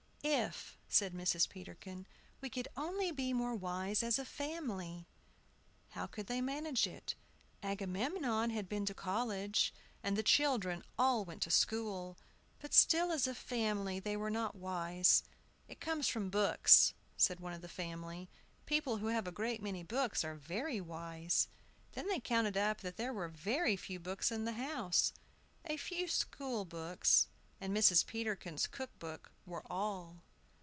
"If," said Mrs. Peterkin, "we could only be more wise as a family!" How could they manage it? Agamemnon had been to college, and the children all went to school; but still as a family they were not wise. "It comes from books," said one of the family. "People who have a great many books are very wise." Then they counted up that there were very few books in the house, a few school books and Mrs. Peterkin's cook book were all.